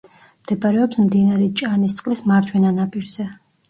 მდებარეობს მდინარე ჭანისწყლის მარჯვენა ნაპირზე.